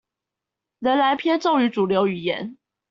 仍然偏重於主流語言